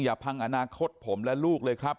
พังอนาคตผมและลูกเลยครับ